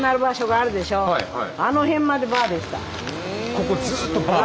ここずっとバー？